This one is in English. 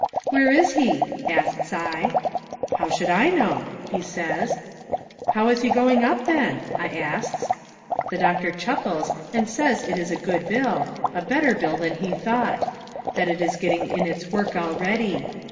"Where is he?" asts I. "How should I know?" he says. "How is he going up, then?" I asts. The doctor chuckles and says it is a good bill, a better bill than he thought; that it is getting in its work already.